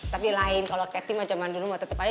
tapi lain kalo ke tim mah jaman dulu mah tetep aja